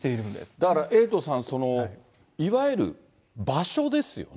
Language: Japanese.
だから、エイトさん、そのいわゆる場所ですよね。